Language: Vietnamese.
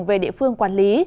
về địa phương quản lý